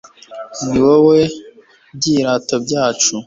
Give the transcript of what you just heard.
ni wo byirato byacu